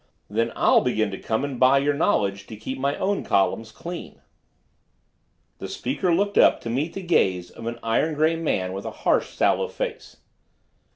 Then I'll begin to come and buy your knowledge to keep my own columns clean." The speaker looked up to meet the gaze of an iron gray man with a harsh, sallow face.